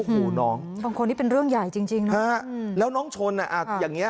พวกน้องต้องช่น